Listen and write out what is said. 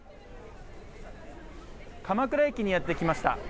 鎌倉駅にやってきました。